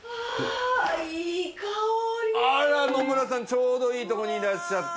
ちょうどいいところにいらっしゃった。